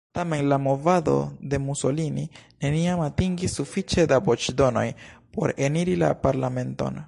Tamen, la movado de Mussolini neniam atingis sufiĉe da voĉdonoj por eniri la parlamenton.